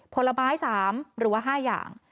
ผลไม้๓หรือว่า๕อย่าง